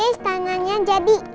yes tangannya jadi